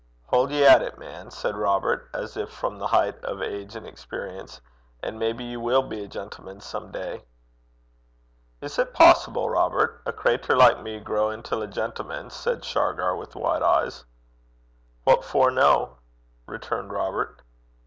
'Haud ye at it, man,' said Robert, as if from the heights of age and experience, 'and maybe ye will be a gentleman some day.' 'Is 't poassible, Robert? A crater like me grow intil a gentleman?' said Shargar, with wide eyes. 'What for no?' returned Robert.